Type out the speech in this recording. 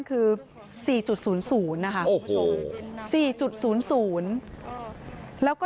คือสี่จุดศูนย์ศูนย์นะคะโอ้โหสี่จุดศูนย์ศูนย์แล้วก็